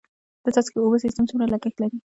د څاڅکي اوبو سیستم څومره لګښت لري؟